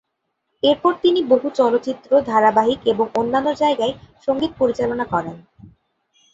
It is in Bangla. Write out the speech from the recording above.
এরপর তিনি বহু চলচ্চিত্র, ধারাবাহিক এবং অন্যান্য জায়গায় সংগীত পরিচালনা করেন।